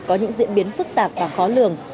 có những diễn biến phức tạp và khó lường